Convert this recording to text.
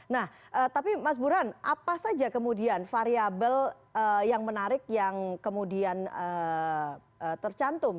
nah tapi mas burhan apa saja kemudian variable yang menarik yang kemudian tercantum